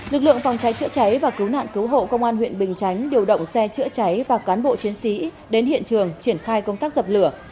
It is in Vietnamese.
lực lượng phòng cháy chữa cháy và cứu nạn cứu hộ công an huyện bình chánh điều động xe chữa cháy và cán bộ chiến sĩ đến hiện trường triển khai công tác dập lửa